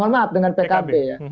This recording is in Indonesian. maaf dengan pkb ya